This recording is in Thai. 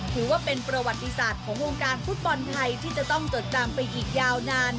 ถือว่าเป็นประวัติศาสตร์ของวงการฟุตบอลไทยที่จะต้องจดจำไปอีกยาวนาน